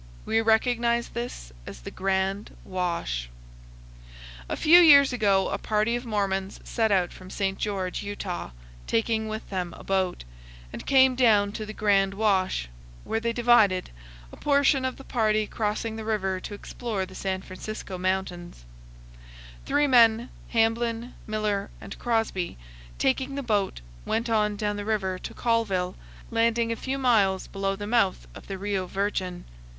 We recognize this as the Grand Wash. A few years ago a party of Mormons set out from St. George, Utah, taking with them a boat, and came down to the Grand Wash, where they divided, a portion of the party crossing the river to explore the San Francisco Mountains. Three men Hamblin, Miller, and Crosby taking the boat, went on down the river to Callville, landing a few miles below the mouth of the Rio Virgen.